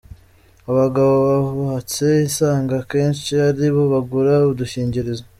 Abagabo bubatse usanga akenshi ari bo bagura udukingirizo.